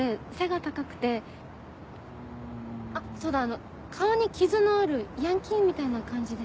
あっそうだあの顔に傷のあるヤンキーみたいな感じで。